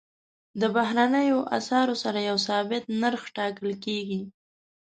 د بهرنیو اسعارو سره یو ثابت نرخ ټاکل کېږي.